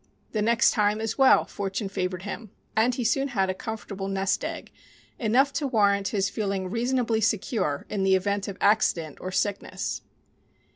The next time as well fortune favored him, and he soon had a comfortable nest egg enough to warrant his feeling reasonably secure in the event of accident or sickness.